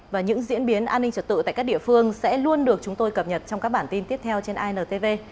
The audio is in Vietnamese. và những diễn biến an ninh trật tự tại các địa phương sẽ luôn được chúng tôi cập nhật trong các bản tin tiếp theo trên intv